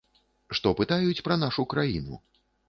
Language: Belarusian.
Што пытаюць пра нашу краіну?